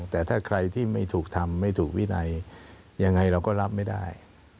แต่ถ้าใครที่ไม่ถูกทำไม่ถูกวินัยยังไงเราก็รับไม่ได้